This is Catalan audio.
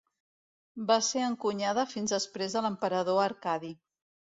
Va ser encunyada fins després de l'emperador Arcadi.